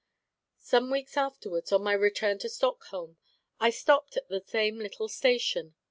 Some weeks afterwards, on my return to Stockholm, I stopped at the same little station.